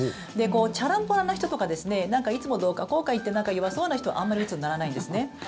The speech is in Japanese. ちゃらんぽらんな人とかいつも、どうかこうか言って弱そうな人は、あんまりうつにならないんですね。